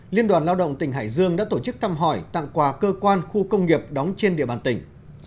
liên đoàn lao động tỉnh hải dương đã tổ chức thăm hỏi tặng quà cơ quan khu công nghiệp đóng trên địa bàn tỉnh